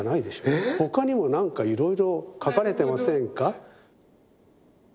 えっ？他にもなんかいろいろ描かれてませんか？